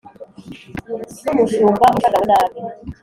N'Umushumba ushagawe n'abe